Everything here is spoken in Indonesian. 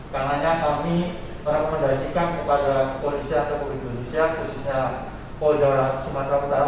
karena kami merekomendasikan kepada kepolisian republik indonesia khususnya polda sumatera utara